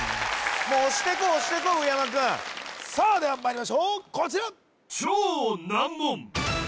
もう押していこう押していこう上山くんさあではまいりましょうこちら